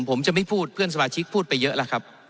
ผมจะไม่พูดเพื่อนสมาชิกพูดไปเยอะแล้วครับ